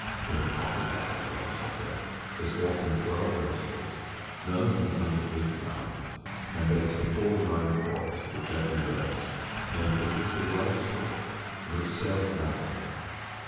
"In a proper ballad on a subject there's often twelve verses, none of them under eight lines, and there's a four line chorus to every verse; and, if it's the right sort, it'll sell the ballad."